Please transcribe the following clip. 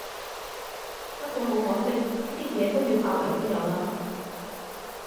不過好可惜，呢啲嘢都要化為烏有喇